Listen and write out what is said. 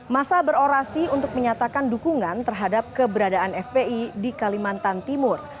masa berorasi untuk menyatakan dukungan terhadap keberadaan fpi di kalimantan timur